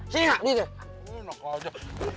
sini mak di situ